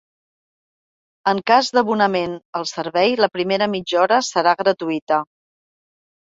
En cas d’abonament al servei, la primera mitja hora serà gratuïta.